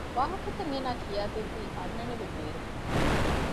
ވާހަކަތައް އޭނާ ކިޔައިދެއްވީ އަންނަނިވި މޭރުމުން